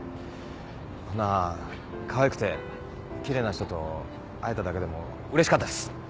こんなかわいくてきれいな人と会えただけでもうれしかったです。